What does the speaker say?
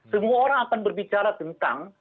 semua orang akan berbicara tentang